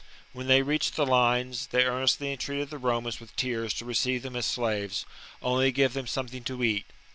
When they reached the lines, they earnestly entreated the Romans with tears to receive them as slaves, — only give them something to eat.